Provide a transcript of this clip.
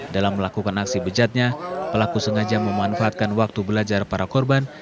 dalam melakukan aksi bejatnya pelaku sengaja memanfaatkan waktu belajar para korban